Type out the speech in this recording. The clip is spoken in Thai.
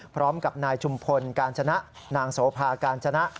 พร้อมกับนายชุมพลการชนะนางโสภาการชนะ